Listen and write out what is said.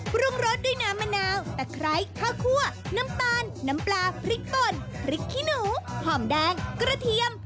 ปรุงรสด้วยน้ำมะนาวตะไคร้ข้าวคั่วน้ำตาลน้ำปลาพริกป่นพริกขี้หนูหอมแดงกระเทียม